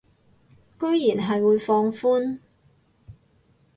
居然係會放寬